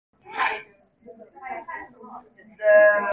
신철이는 얼결에 중절모를 벗어 움켜쥐고 뒷짐을 졌다.